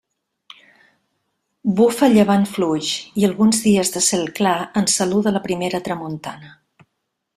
Bufa llevant fluix i alguns dies de cel clar ens saluda la primera tramuntana.